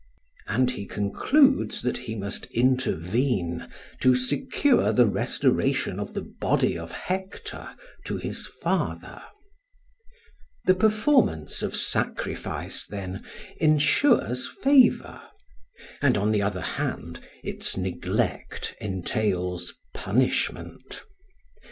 ] And he concludes that he must intervene to secure the restoration of the body of Hector to his father. The performance of sacrifice, then, ensures favour; and on the other hand its neglect entails punishment.